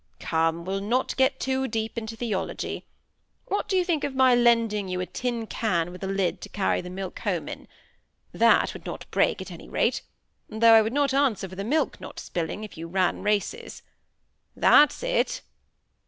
"Come; we'll not get too deep into theology. What do you think of my lending you a tin can with a lid to carry the milk home in? That would not break, at any rate; though I would not answer for the milk not spilling if you ran races. That's it!"